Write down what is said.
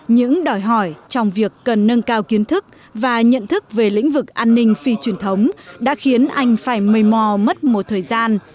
những đòi hỏi trong việc cần nâng cao kiến thức và nhận thức về lĩnh vực an ninh phi truyền thống đã khiến anh phải mây mò mất một thời gian